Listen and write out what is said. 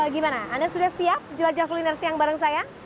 gimana anda sudah siap jelajah kuliner siang bareng saya